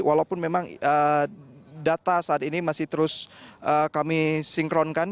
walaupun memang data saat ini masih terus kami sinkronkan